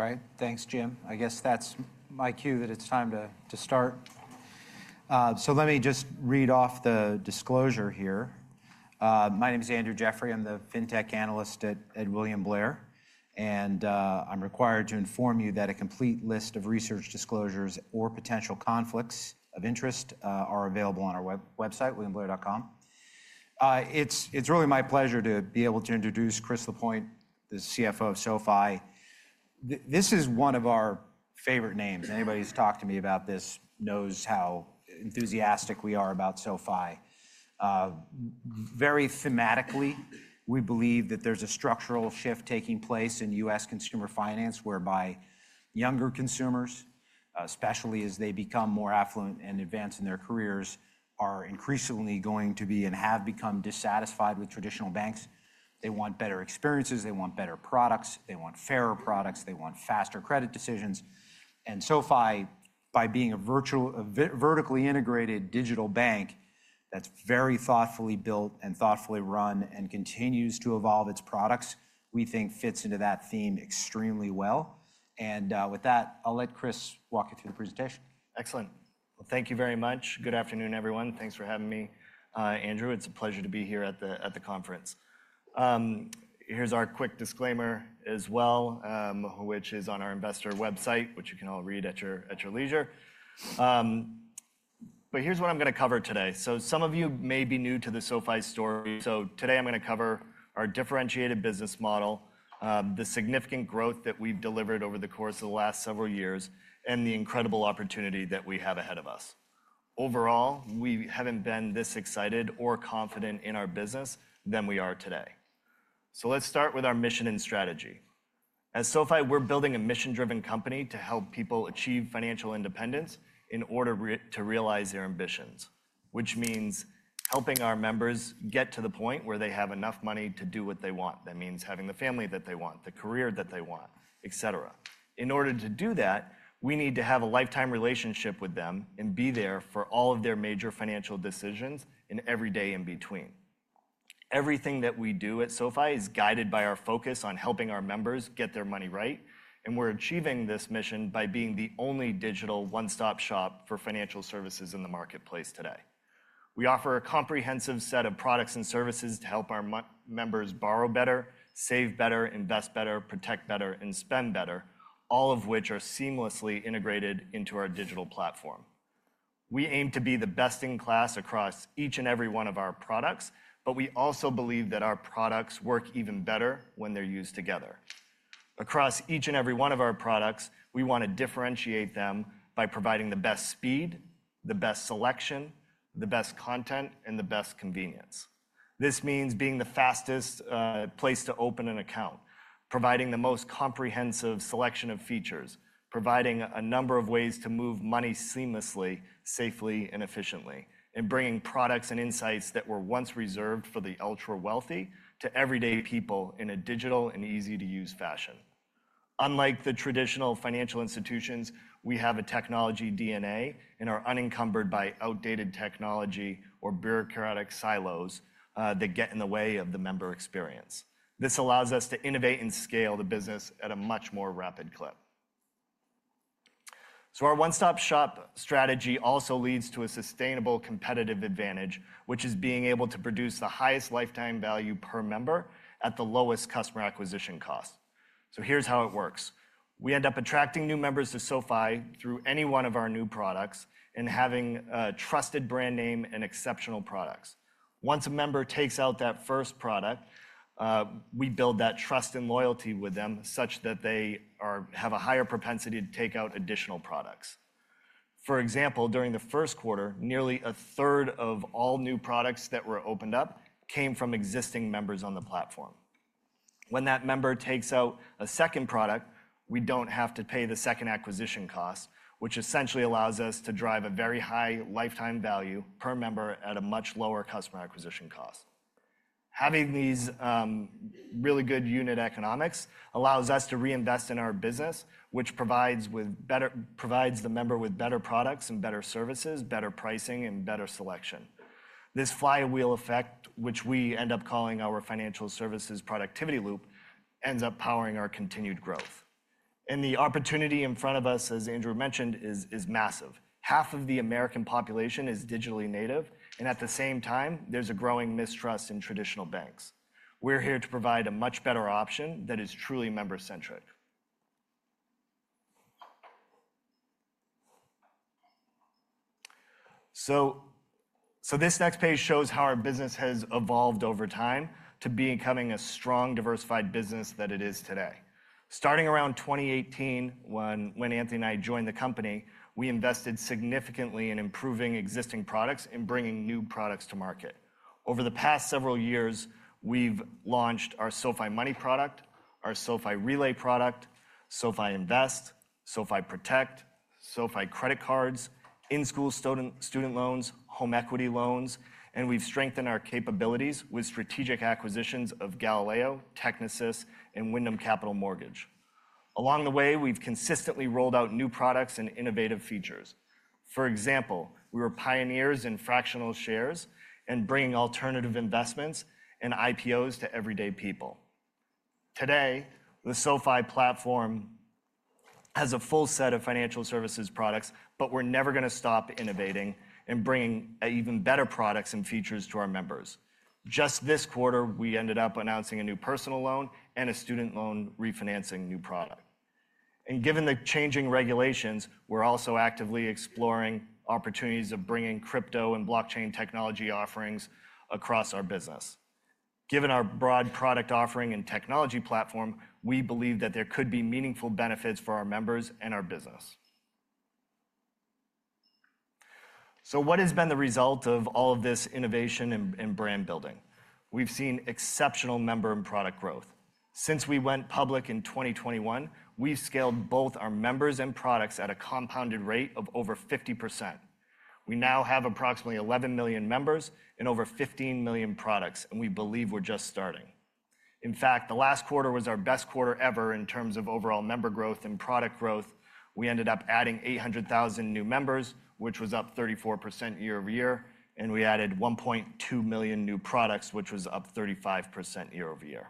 All right, thanks, Jim. I guess that's my cue that it's time to start. Let me just read off the disclosure here. My name is Andrew Jeffrey. I'm the FinTech analyst at William Blair. I'm required to inform you that a complete list of research disclosures or potential conflicts of interest are available on our website, williamblair.com. It's really my pleasure to be able to introduce Chris Lapointe, the CFO of SoFi. This is one of our favorite names. Anybody who's talked to me about this knows how enthusiastic we are about SoFi. Very thematically, we believe that there's a structural shift taking place in U.S. consumer finance whereby younger consumers, especially as they become more affluent and advance in their careers, are increasingly going to be and have become dissatisfied with traditional banks. They want better experiences. They want better products. They want fairer products. They want faster credit decisions. SoFi, by being a vertically integrated digital bank that's very thoughtfully built and thoughtfully run and continues to evolve its products, we think fits into that theme extremely well. With that, I'll let Chris walk you through the presentation. Excellent. Thank you very much. Good afternoon, everyone. Thanks for having me, Andrew. It's a pleasure to be here at the conference. Here's our quick disclaimer as well, which is on our investor website, which you can all read at your leisure. Here's what I'm going to cover today. Some of you may be new to the SoFi story. Today I'm going to cover our differentiated business model, the significant growth that we've delivered over the course of the last several years, and the incredible opportunity that we have ahead of us. Overall, we haven't been this excited or confident in our business than we are today. Let's start with our mission and strategy. At SoFi, we're building a mission-driven company to help people achieve financial independence in order to realize their ambitions, which means helping our members get to the point where they have enough money to do what they want. That means having the family that they want, the career that they want, etcetera. In order to do that, we need to have a lifetime relationship with them and be there for all of their major financial decisions and every day in between. Everything that we do at SoFi is guided by our focus on helping our members get their money right. We're achieving this mission by being the only digital one-stop shop for financial services in the marketplace today. We offer a comprehensive set of products and services to help our members borrow better, save better, invest better, protect better, and spend better, all of which are seamlessly integrated into our digital platform. We aim to be the best in class across each and every one of our products, but we also believe that our products work even better when they're used together. Across each and every one of our products, we want to differentiate them by providing the best speed, the best selection, the best content, and the best convenience. This means being the fastest place to open an account, providing the most comprehensive selection of features, providing a number of ways to move money seamlessly, safely, and efficiently, and bringing products and insights that were once reserved for the ultra-wealthy to everyday people in a digital and easy-to-use fashion. Unlike the traditional financial institutions, we have a technology DNA and are unencumbered by outdated technology or bureaucratic silos that get in the way of the member experience. This allows us to innovate and scale the business at a much more rapid clip. Our one-stop shop strategy also leads to a sustainable competitive advantage, which is being able to produce the highest lifetime value per member at the lowest customer acquisition cost. Here is how it works. We end up attracting new members to SoFi through any one of our new products and having a trusted brand name and exceptional products. Once a member takes out that first product, we build that trust and loyalty with them such that they have a higher propensity to take out additional products. For example, during the first quarter, nearly a third of all new products that were opened up came from existing members on the platform. When that member takes out a second product, we do not have to pay the second acquisition cost, which essentially allows us to drive a very high lifetime value per member at a much lower customer acquisition cost. Having these really good unit economics allows us to reinvest in our business, which provides the member with better products and better services, better pricing, and better selection. This flywheel effect, which we end up calling our financial services productivity loop, ends up powering our continued growth. The opportunity in front of us, as Andrew mentioned, is massive. Half of the American population is digitally native. At the same time, there is a growing mistrust in traditional banks. We're here to provide a much better option that is truly member-centric. This next page shows how our business has evolved over time to becoming a strong, diversified business that it is today. Starting around 2018, when Anthony and I joined the company, we invested significantly in improving existing products and bringing new products to market. Over the past several years, we've launched our SoFi Money product, our SoFi Relay product, SoFi Invest, SoFi Protect, SoFi Credit Cards, in-school student loans, home equity loans. We've strengthened our capabilities with strategic acquisitions of Galileo, Technisys, and Wyndham Capital Mortgage. Along the way, we've consistently rolled out new products and innovative features. For example, we were pioneers in fractional shares and bringing alternative investments and IPOs to everyday people. Today, the SoFi platform has a full set of financial services products, but we're never going to stop innovating and bringing even better products and features to our members. Just this quarter, we ended up announcing a new personal loan and a student loan refinancing new product. Given the changing regulations, we're also actively exploring opportunities of bringing crypto and blockchain technology offerings across our business. Given our broad product offering and technology platform, we believe that there could be meaningful benefits for our members and our business. What has been the result of all of this innovation and brand building? We've seen exceptional member and product growth. Since we went public in 2021, we've scaled both our members and products at a compounded rate of over 50%. We now have approximately 11 million members and over 15 million products. We believe we're just starting. In fact, the last quarter was our best quarter ever in terms of overall member growth and product growth. We ended up adding 800,000 new members, which was up 34% year-over-year. We added 1.2 million new products, which was up 35% year-over-year.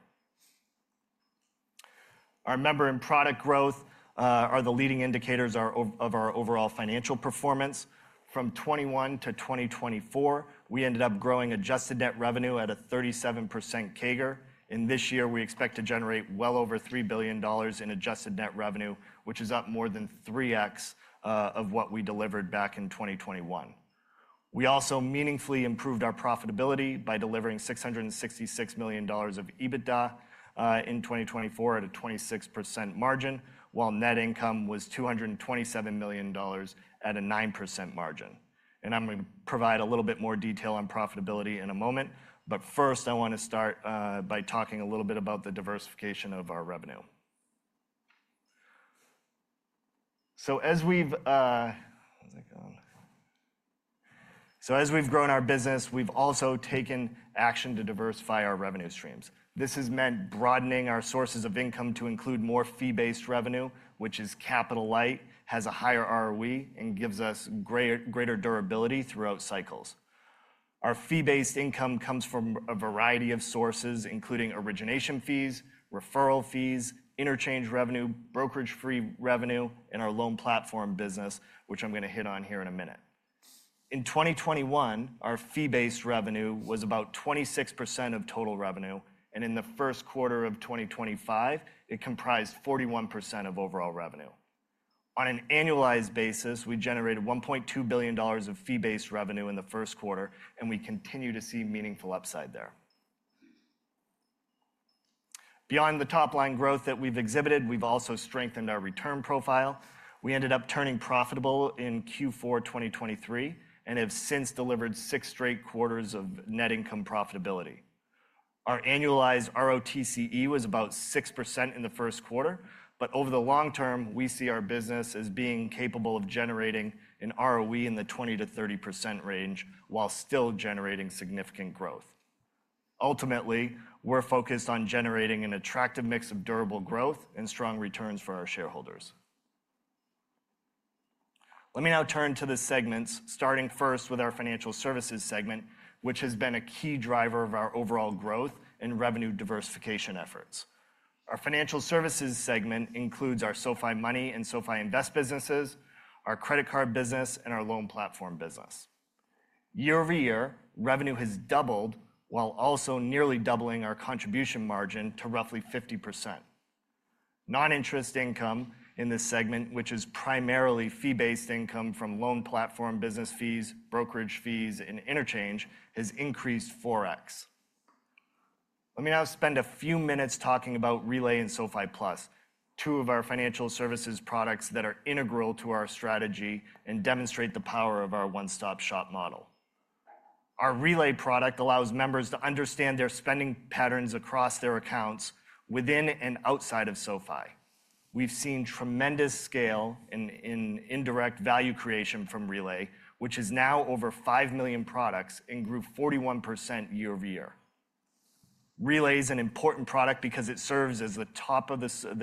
Our member and product growth are the leading indicators of our overall financial performance. From 2021 to 2024, we ended up growing adjusted net revenue at a 37% CAGR. This year, we expect to generate well over $3 billion in adjusted net revenue, which is up more than 3x of what we delivered back in 2021. We also meaningfully improved our profitability by delivering $666 million of EBITDA in 2024 at a 26% margin, while net income was $227 million at a 9% margin. I am going to provide a little bit more detail on profitability in a moment. First, I want to start by talking a little bit about the diversification of our revenue. As we've grown our business, we've also taken action to diversify our revenue streams. This has meant broadening our sources of income to include more fee-based revenue, which is capital-light, has a higher ROE, and gives us greater durability throughout cycles. Our fee-based income comes from a variety of sources, including origination fees, referral fees, interchange revenue, brokerage-free revenue, and our Loan Platform Business, which I'm going to hit on here in a minute. In 2021, our fee-based revenue was about 26% of total revenue. In the first quarter of 2025, it comprised 41% of overall revenue. On an annualized basis, we generated $1.2 billion of fee-based revenue in the first quarter. We continue to see meaningful upside there. Beyond the top-line growth that we've exhibited, we've also strengthened our return profile. We ended up turning profitable in Q4 2023 and have since delivered six straight quarters of net income profitability. Our annualized ROTCE was about 6% in the first quarter. Over the long term, we see our business as being capable of generating an ROE in the 20%-30% range while still generating significant growth. Ultimately, we're focused on generating an attractive mix of durable growth and strong returns for our shareholders. Let me now turn to the segments, starting first with our financial services segment, which has been a key driver of our overall growth and revenue diversification efforts. Our financial services segment includes our SoFi Money and SoFi Invest businesses, our credit card business, and our Loan Platform Business. Year over year, revenue has doubled while also nearly doubling our contribution margin to roughly 50%. Non-interest income in this segment, which is primarily fee-based income from Loan Platform Business fees, brokerage fees, and interchange, has increased 4x. Let me now spend a few minutes talking about Relay and SoFi Plus, two of our financial services products that are integral to our strategy and demonstrate the power of our one-stop shop model. Our Relay product allows members to understand their spending patterns across their accounts within and outside of SoFi. We've seen tremendous scale in indirect value creation from Relay, which is now over 5 million products and grew 41% year-over-year. Relay is an important product because it serves as the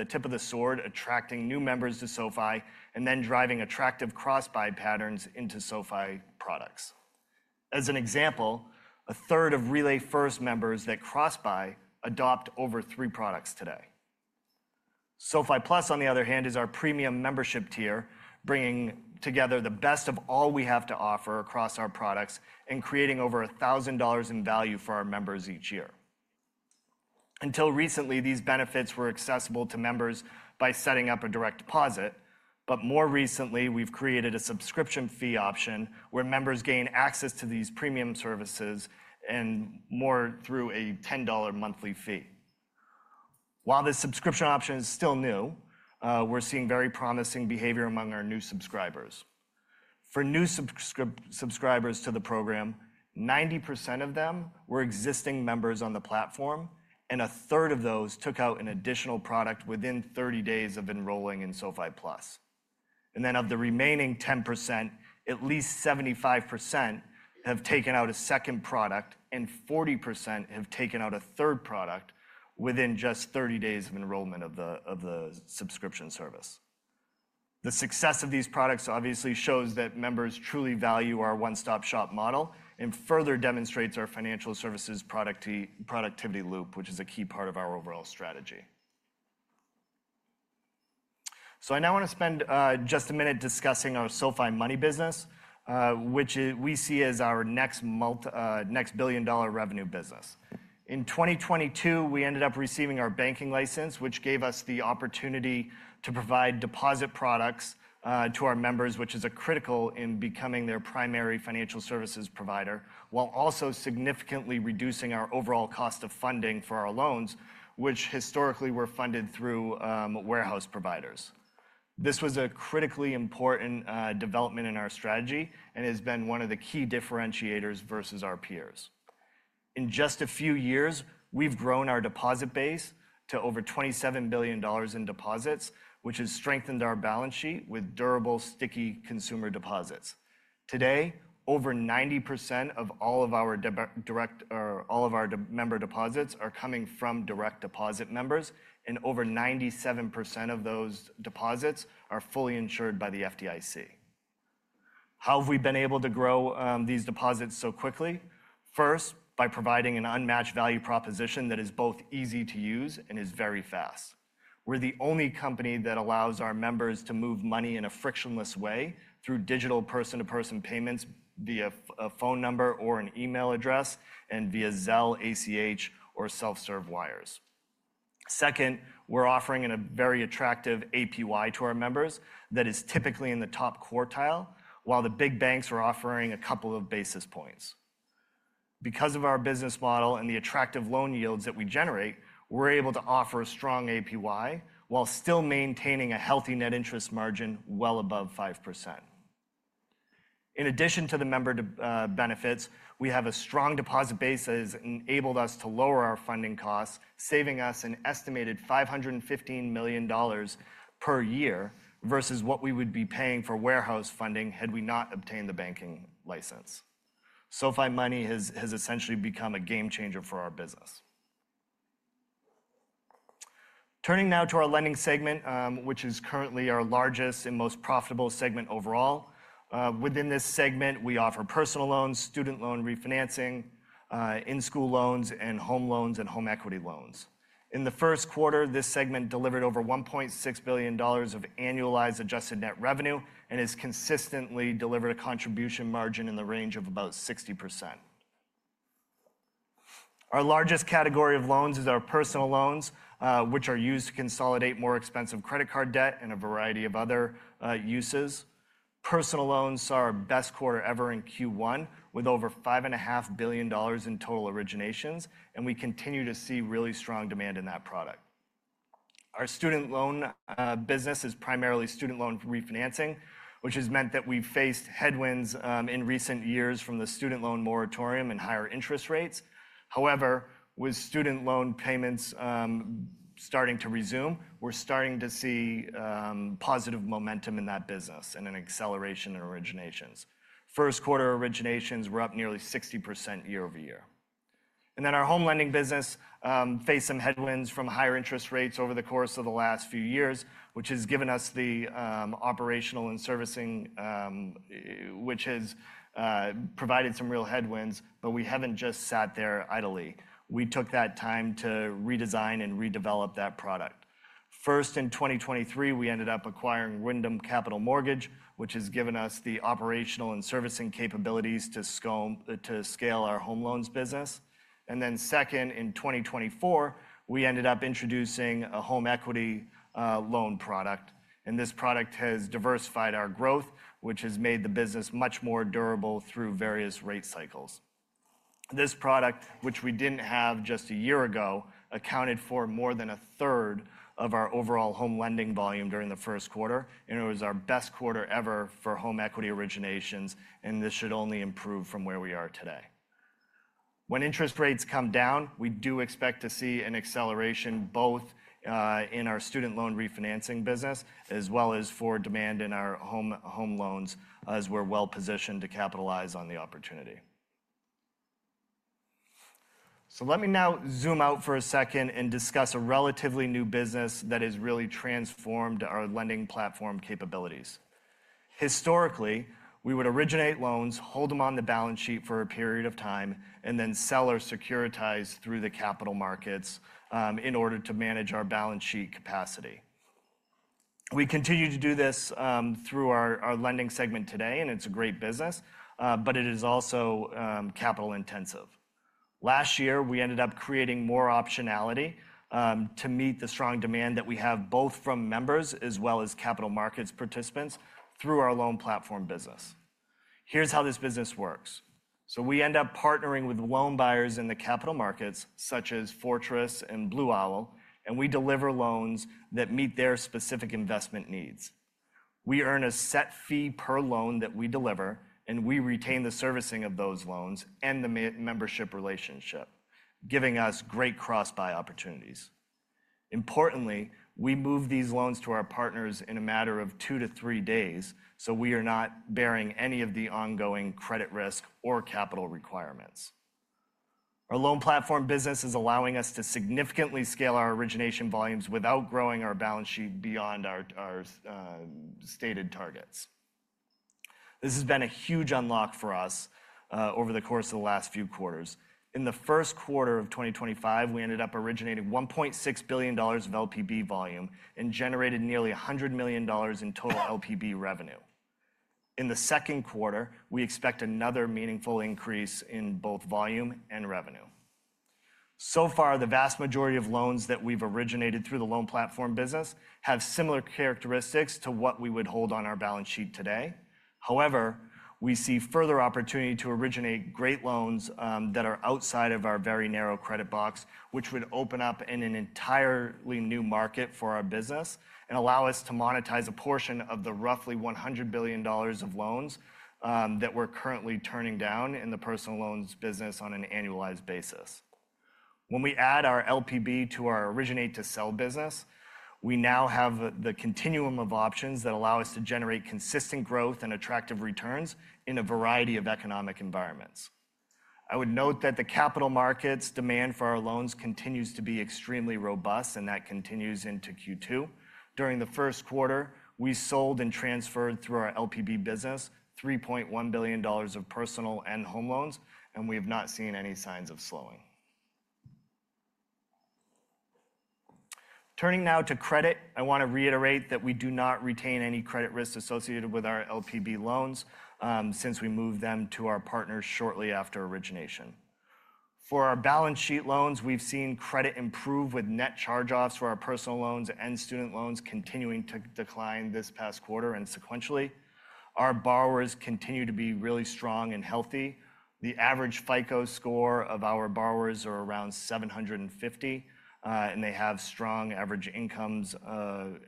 tip of the sword, attracting new members to SoFi and then driving attractive cross-buy patterns into SoFi products. As an example, a third of Relay-first members that cross-buy adopt over three products today. SoFi Plus, on the other hand, is our premium membership tier, bringing together the best of all we have to offer across our products and creating over $1,000 in value for our members each year. Until recently, these benefits were accessible to members by setting up a direct deposit. More recently, we've created a subscription fee option where members gain access to these premium services and more through a $10 monthly fee. While this subscription option is still new, we're seeing very promising behavior among our new subscribers. For new subscribers to the program, 90% of them were existing members on the platform, and a third of those took out an additional product within 30 days of enrolling in SoFi Plus. Of the remaining 10%, at least 75% have taken out a second product, and 40% have taken out a third product within just 30 days of enrollment of the subscription service. The success of these products obviously shows that members truly value our one-stop shop model and further demonstrates our financial services productivity loop, which is a key part of our overall strategy. I now want to spend just a minute discussing our SoFi Money business, which we see as our next billion-dollar revenue business. In 2022, we ended up receiving our banking license, which gave us the opportunity to provide deposit products to our members, which is critical in becoming their primary financial services provider, while also significantly reducing our overall cost of funding for our loans, which historically were funded through warehouse providers. This was a critically important development in our strategy and has been one of the key differentiators versus our peers. In just a few years, we've grown our deposit base to over $27 billion in deposits, which has strengthened our balance sheet with durable, sticky consumer deposits. Today, over 90% of all of our member deposits are coming from direct deposit members, and over 97% of those deposits are fully insured by the FDIC. How have we been able to grow these deposits so quickly? First, by providing an unmatched value proposition that is both easy to use and is very fast. We're the only company that allows our members to move money in a frictionless way through digital person-to-person payments via a phone number or an email address and via Zelle, ACH, or self-serve wires. Second, we're offering a very attractive APY to our members that is typically in the top quartile, while the big banks are offering a couple of basis points. Because of our business model and the attractive loan yields that we generate, we're able to offer a strong APY while still maintaining a healthy net interest margin well above 5%. In addition to the member benefits, we have a strong deposit base that has enabled us to lower our funding costs, saving us an estimated $515 million per year versus what we would be paying for warehouse funding had we not obtained the banking license. SoFi Money has essentially become a game changer for our business. Turning now to our lending segment, which is currently our largest and most profitable segment overall. Within this segment, we offer personal loans, student loan refinancing, in-school loans, and home loans and home equity loans. In the first quarter, this segment delivered over $1.6 billion of annualized adjusted net revenue and has consistently delivered a contribution margin in the range of about 60%. Our largest category of loans is our personal loans, which are used to consolidate more expensive credit card debt and a variety of other uses. Personal loans saw our best quarter ever in Q1 with over $5.5 billion in total originations. We continue to see really strong demand in that product. Our student loan business is primarily student loan refinancing, which has meant that we've faced headwinds in recent years from the student loan moratorium and higher interest rates. However, with student loan payments starting to resume, we're starting to see positive momentum in that business and an acceleration in originations. First quarter originations were up nearly 60% year-over-year. Our home lending business faced some headwinds from higher interest rates over the course of the last few years, which has given us the operational and servicing, which has provided some real headwinds. We have not just sat there idly. We took that time to redesign and redevelop that product. First, in 2023, we ended up acquiring Wyndham Capital Mortgage, which has given us the operational and servicing capabilities to scale our home loans business. Second, in 2024, we ended up introducing a home equity loan product. This product has diversified our growth, which has made the business much more durable through various rate cycles. This product, which we did not have just a year ago, accounted for more than a third of our overall home lending volume during the first quarter. It was our best quarter ever for home equity originations. This should only improve from where we are today. When interest rates come down, we do expect to see an acceleration both in our student loan refinancing business as well as for demand in our home loans as we are well positioned to capitalize on the opportunity. Let me now zoom out for a second and discuss a relatively new business that has really transformed our lending platform capabilities. Historically, we would originate loans, hold them on the balance sheet for a period of time, and then sell or securitize through the capital markets in order to manage our balance sheet capacity. We continue to do this through our lending segment today. It is a great business. It is also capital intensive. Last year, we ended up creating more optionality to meet the strong demand that we have both from members as well as capital markets participants through our Loan Platform Business. Here's how this business works. We end up partnering with loan buyers in the capital markets, such as Fortress and Blue Owl. We deliver loans that meet their specific investment needs. We earn a set fee per loan that we deliver. We retain the servicing of those loans and the membership relationship, giving us great cross-buy opportunities. Importantly, we move these loans to our partners in a matter of two to three days, so we are not bearing any of the ongoing credit risk or capital requirements. Our Loan Platform Business is allowing us to significantly scale our origination volumes without growing our balance sheet beyond our stated targets. This has been a huge unlock for us over the course of the last few quarters. In the first quarter of 2025, we ended up originating $1.6 billion of LPB volume and generated nearly $100 million in total LPB revenue. In the second quarter, we expect another meaningful increase in both volume and revenue. So far, the vast majority of loans that we've originated through the Loan Platform Business have similar characteristics to what we would hold on our balance sheet today. However, we see further opportunity to originate great loans that are outside of our very narrow credit box, which would open up an entirely new market for our business and allow us to monetize a portion of the roughly $100 billion of loans that we're currently turning down in the personal loans business on an annualized basis. When we add our LPB to our originate-to-sell business, we now have the continuum of options that allow us to generate consistent growth and attractive returns in a variety of economic environments. I would note that the capital markets demand for our loans continues to be extremely robust, and that continues into Q2. During the first quarter, we sold and transferred through our LPB business $3.1 billion of personal and home loans. We have not seen any signs of slowing. Turning now to credit, I want to reiterate that we do not retain any credit risk associated with our LPB loans since we move them to our partners shortly after origination. For our balance sheet loans, we've seen credit improve with net charge-offs for our personal loans and student loans continuing to decline this past quarter and sequentially. Our borrowers continue to be really strong and healthy. The average FICO score of our borrowers is around 750. They have strong average incomes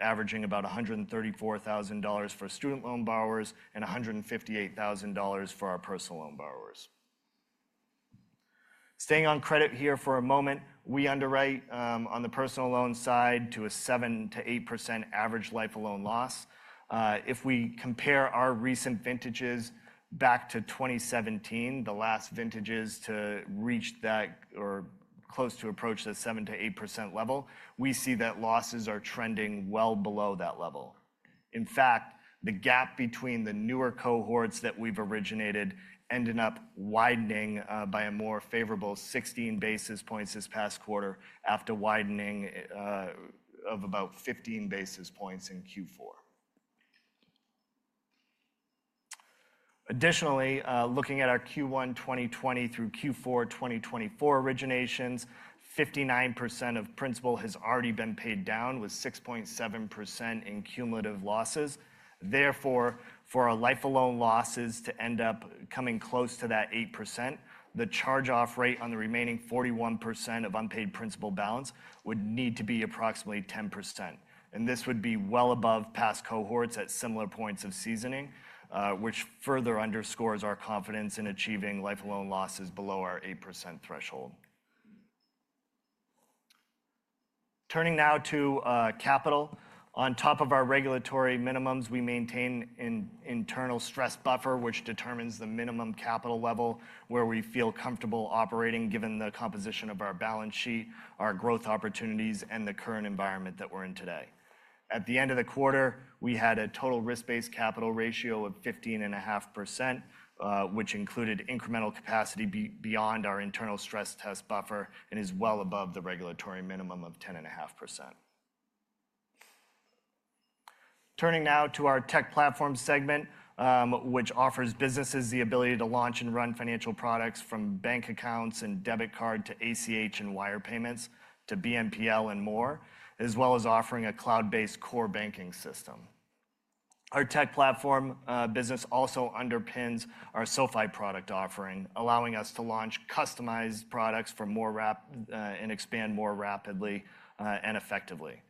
averaging about $134,000 for student loan borrowers and $158,000 for our personal loan borrowers. Staying on credit here for a moment, we underwrite on the personal loan side to a 7%-8% average life loan loss. If we compare our recent vintages back to 2017, the last vintages to reach that or close to approach the 7%-8% level, we see that losses are trending well below that level. In fact, the gap between the newer cohorts that we've originated ended up widening by a more favorable 16 basis points this past quarter after widening of about 15 basis points in Q4. Additionally, looking at our Q1 2020 through Q4 2024 originations, 59% of principal has already been paid down with 6.7% in cumulative losses. Therefore, for our life loan losses to end up coming close to that 8%, the charge-off rate on the remaining 41% of unpaid principal balance would need to be approximately 10%. This would be well above past cohorts at similar points of seasoning, which further underscores our confidence in achieving life loan losses below our 8% threshold. Turning now to capital, on top of our regulatory minimums, we maintain an internal stress buffer, which determines the minimum capital level where we feel comfortable operating given the composition of our balance sheet, our growth opportunities, and the current environment that we're in today. At the end of the quarter, we had a total risk-based capital ratio of 15.5%, which included incremental capacity beyond our internal stress test buffer and is well above the regulatory minimum of 10.5%. Turning now to our tech platform segment, which offers businesses the ability to launch and run financial products from bank accounts and debit card to ACH and wire payments to BNPL and more, as well as offering a cloud-based core banking system. Our tech platform business also underpins our SoFi product offering, allowing us to launch customized products for more and expand more rapidly and effectively.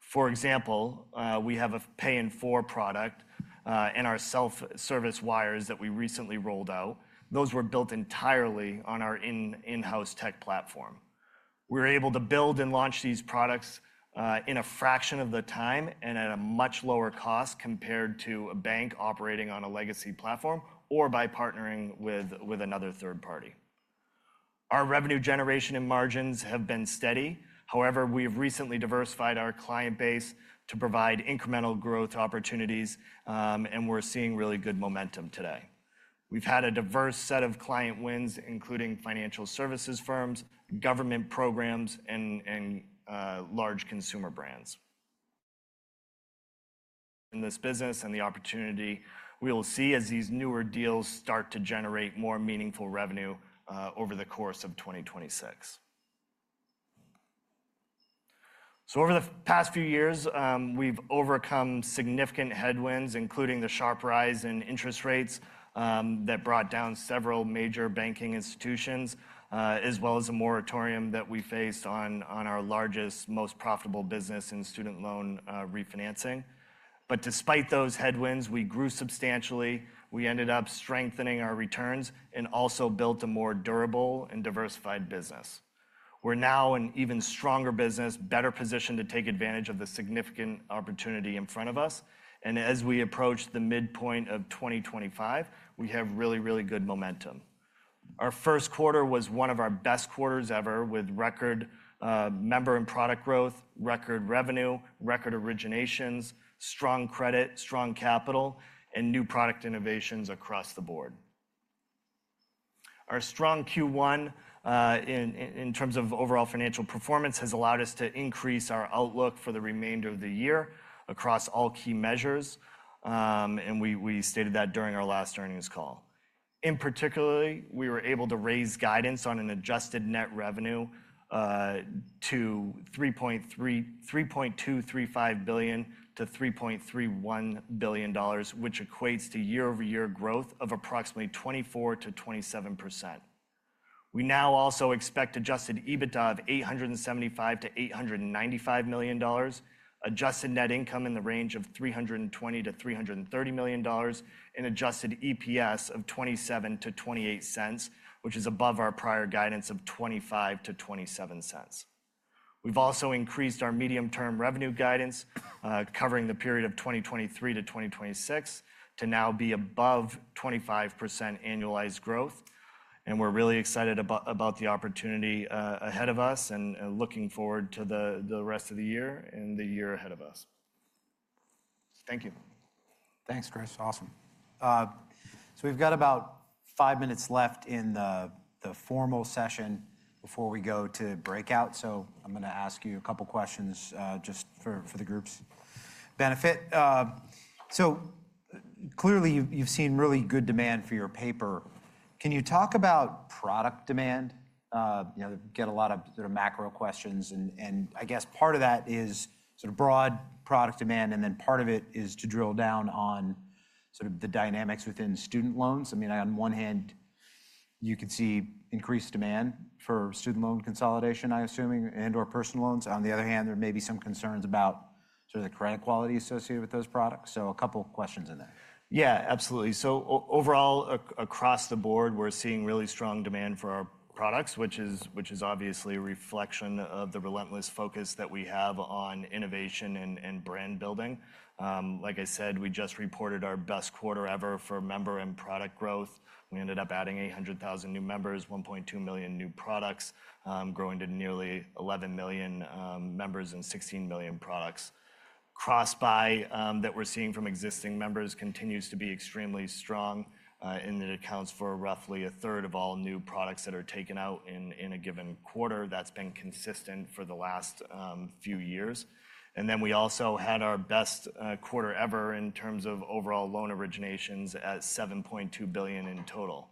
For example, we have a pay-in-four product and our self-serve wires that we recently rolled out. Those were built entirely on our in-house tech platform. We were able to build and launch these products in a fraction of the time and at a much lower cost compared to a bank operating on a legacy platform or by partnering with another third party. Our revenue generation and margins have been steady. However, we have recently diversified our client base to provide incremental growth opportunities. We're seeing really good momentum today. We've had a diverse set of client wins, including financial services firms, government programs, and large consumer brands. In this business and the opportunity we will see as these newer deals start to generate more meaningful revenue over the course of 2026. Over the past few years, we've overcome significant headwinds, including the sharp rise in interest rates that brought down several major banking institutions, as well as a moratorium that we faced on our largest, most profitable business in student loan refinancing. Despite those headwinds, we grew substantially. We ended up strengthening our returns and also built a more durable and diversified business. We're now an even stronger business, better positioned to take advantage of the significant opportunity in front of us. As we approach the midpoint of 2025, we have really, really good momentum. Our first quarter was one of our best quarters ever with record member and product growth, record revenue, record originations, strong credit, strong capital, and new product innovations across the board. Our strong Q1 in terms of overall financial performance has allowed us to increase our outlook for the remainder of the year across all key measures. We stated that during our last earnings call. In particular, we were able to raise guidance on adjusted net revenue to $3.235 billion-$3.31 billion, which equates to year-over-year growth of approximately 24%-27%. We now also expect adjusted EBITDA of $875 million-$895 million, adjusted net income in the range of $320 million-$330 million, and adjusted EPS of $0.27-$0.28, which is above our prior guidance of $0.25-$0.27. We've also increased our medium-term revenue guidance covering the period of 2023 to 2026 to now be above 25% annualized growth. We're really excited about the opportunity ahead of us and looking forward to the rest of the year and the year ahead of us. Thank you. Thanks, Chris. Awesome. We've got about five minutes left in the formal session before we go to breakout. I'm going to ask you a couple of questions just for the group's benefit. Clearly, you've seen really good demand for your paper. Can you talk about product demand? Get a lot of macro questions. I guess part of that is sort of broad product demand. Part of it is to drill down on sort of the dynamics within student loans. I mean, on one hand, you could see increased demand for student loan consolidation, I'm assuming, and/or personal loans. On the other hand, there may be some concerns about sort of the credit quality associated with those products. A couple of questions in there. Yeah, absolutely. Overall, across the board, we're seeing really strong demand for our products, which is obviously a reflection of the relentless focus that we have on innovation and brand building. Like I said, we just reported our best quarter ever for member and product growth. We ended up adding 800,000 new members, 1.2 million new products, growing to nearly 11 million members and 16 million products. Cross-buy that we're seeing from existing members continues to be extremely strong. It accounts for roughly a third of all new products that are taken out in a given quarter. That's been consistent for the last few years. We also had our best quarter ever in terms of overall loan originations at $7.2 billion in total.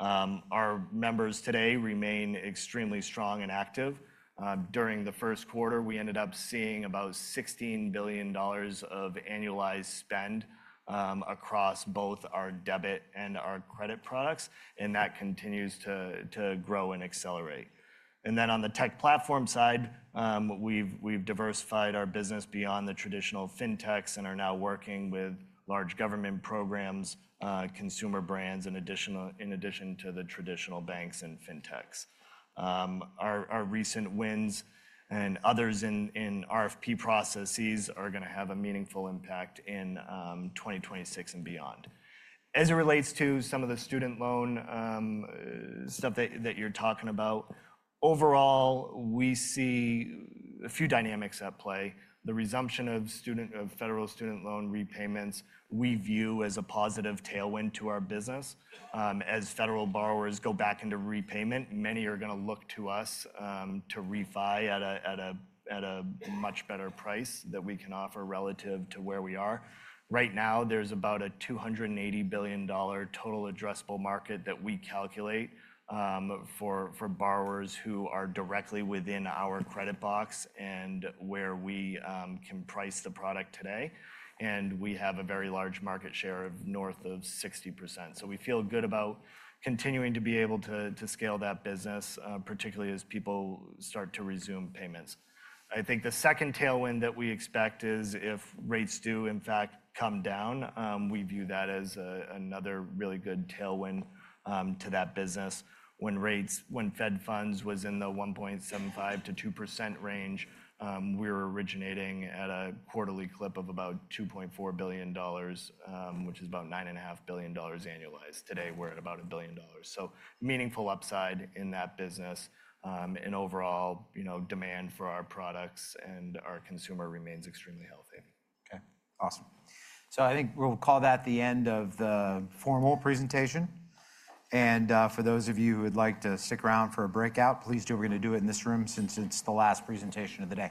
Our members today remain extremely strong and active. During the first quarter, we ended up seeing about $16 billion of annualized spend across both our debit and our credit products. That continues to grow and accelerate. On the tech platform side, we've diversified our business beyond the traditional fintechs and are now working with large government programs, consumer brands, in addition to the traditional banks and fintechs. Our recent wins and others in RFP processes are going to have a meaningful impact in 2026 and beyond. As it relates to some of the student loan stuff that you're talking about, overall, we see a few dynamics at play. The resumption of federal student loan repayments we view as a positive tailwind to our business. As federal borrowers go back into repayment, many are going to look to us to refi at a much better price that we can offer relative to where we are. Right now, there's about a $280 billion total addressable market that we calculate for borrowers who are directly within our credit box and where we can price the product today. We have a very large market share of north of 60%. We feel good about continuing to be able to scale that business, particularly as people start to resume payments. I think the second tailwind that we expect is if rates do, in fact, come down, we view that as another really good tailwind to that business. When Fed funds was in the 1.75%-2% range, we were originating at a quarterly clip of about $2.4 billion, which is about $9.5 billion annualized. Today, we're at about $1 billion. Meaningful upside in that business. Overall, demand for our products and our consumer remains extremely healthy. Okay. Awesome. I think we'll call that the end of the formal presentation. For those of you who would like to stick around for a breakout, please do. We're going to do it in this room since it's the last presentation of the day.